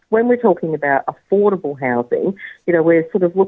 pembuatan kekuasaan dan juga pengecualian kekuasaan domestik